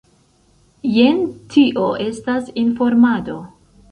Jen, tio estas informado.